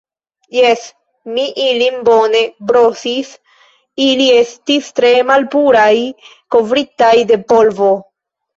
Jes, mi ilin bone brosis; ili estis tre malpuraj kovritaj de polvo.